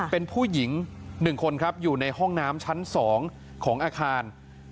เป็นผู้หญิง๑คนครับอยู่ในห้องน้ำชั้น๒ของอาคาร